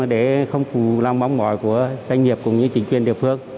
để không phù lòng mong mỏi của doanh nghiệp cũng như chính quyền địa phương